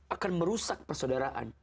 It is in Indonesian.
akan merusak persaudaraan